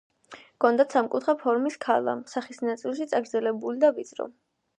ჰქონდათ სამკუთხა ფორმის ქალა, სახის ნაწილი წაგრძელებული და ვიწრო.